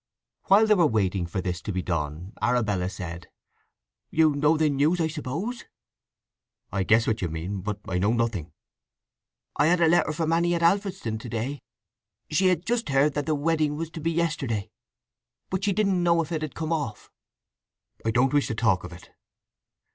While they were waiting for this to be done Arabella said: "You know the news, I suppose?" "I guess what you mean; but I know nothing." "I had a letter from Anny at Alfredston to day. She had just heard that the wedding was to be yesterday: but she didn't know if it had come off." "I don't wish to talk of it."